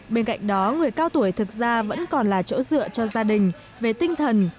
bên cạnh đó người cao tuổi thực ra vẫn còn là chỗ dựa cho gia đình về tinh thần